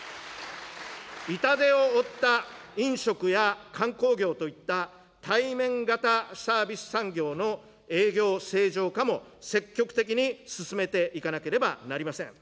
痛手を負った飲食や観光業といった対面型サービス産業の営業正常化も積極的に進めていかなければなりません。